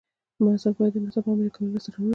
محصل باید د نصاب په عملي کولو لاسته راوړنې ولري.